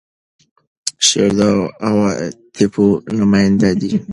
شعر د عواطفو نماینده دی.